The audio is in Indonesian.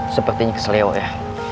sepertinya kesel ya